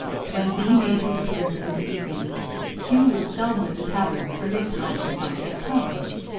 When B made his appearance in the evening, Q was seldom at the tavern, for his time had not yet come.